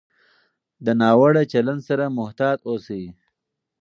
د ناوړه چلند سره محتاط اوسئ.